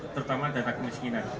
terutama data kemiskinan